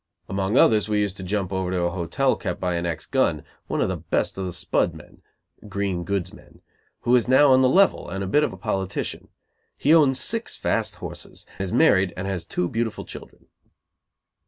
Among others we used to jump over to a hotel kept by an ex gun, one of the best of the spud men (green goods men), who is now on the level and a bit of a politician. He owns six fast horses, is married and has two beautiful children.